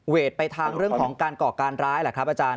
ไปทางเรื่องของการก่อการร้ายแหละครับอาจารย์